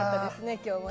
今日もね。